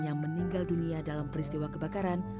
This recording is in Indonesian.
yang meninggal dunia dalam peristiwa kebakaran